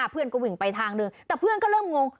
เพื่อนก็วิ่งไปทางหนึ่งแต่เพื่อนก็เริ่มงง